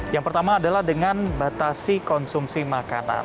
yang pertama adalah dengan batasi konsumsi makanan